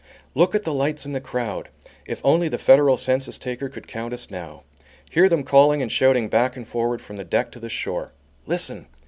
Look at the lights and the crowd! If only the federal census taker could count us now! Hear them calling and shouting back and forward from the deck to the shore! Listen!